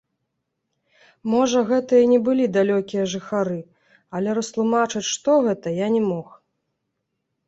Можа, гэта і не былі далёкія жыхары, але растлумачыць, што гэта, я не мог.